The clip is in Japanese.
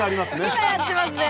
今やってますね